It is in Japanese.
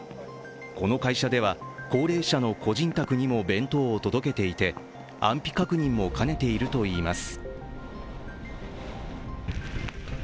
この会社では、高齢者の個人宅にも弁当を届けていて、安否確認も兼ねているといいます。